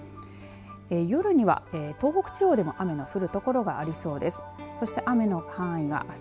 夜には東北地方でも雨の降る所がありそうです。